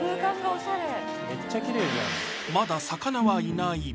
まだ魚はいない